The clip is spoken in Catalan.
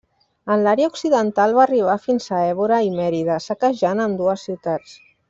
En l'àrea occidental va arribar fins a Évora i Mèrida, saquejant ambdues ciutats.